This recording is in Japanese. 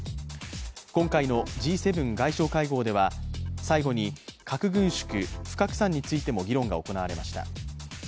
今回のＧ７外相会合では最後に核軍縮・不拡散についても議論が行われました。